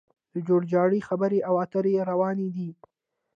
د جوړجاړي خبرې او اترې روانې دي